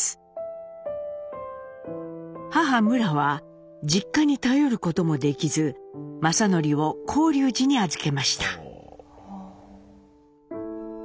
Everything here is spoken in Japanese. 母むらは実家に頼ることもできず正順を興龍寺に預けました。